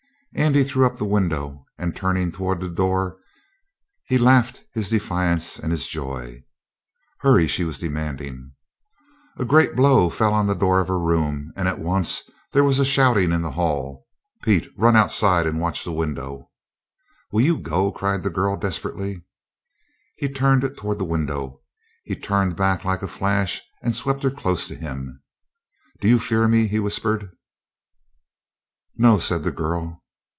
Andy threw up the window, and, turning toward the door, he laughed his defiance and his joy. "Hurry!" she was demanding. A great blow fell on the door of her room, and at once there was shouting in the hall: "Pete, run outside and watch the window!" "Will you go?" cried the girl desperately. He turned toward the window. He turned back like a flash and swept her close to him. "Do you fear me?" he whispered. "No," said the girl.